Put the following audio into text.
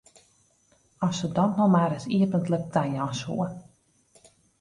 As se dat no mar ris iepentlik tajaan soe!